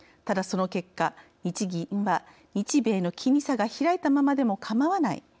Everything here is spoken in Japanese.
ただ、その結果「日銀は日米の金利差が開いたままでも構わない」